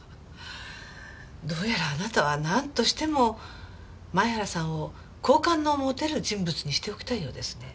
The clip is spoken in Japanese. どうやらあなたはなんとしても前原さんを好感の持てる人物にしておきたいようですね。